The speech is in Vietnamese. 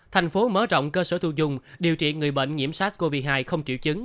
thành phố mở rộng cơ sở thu dung điều trị người bệnh nhiễm sars cov hai không triệu chứng